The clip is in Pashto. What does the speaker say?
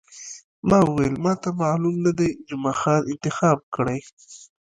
ما وویل، ما ته معلوم نه دی، جمعه خان انتخاب کړی.